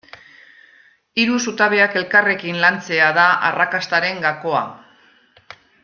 Hiru zutabeak elkarrekin lantzea da arrakastaren gakoa.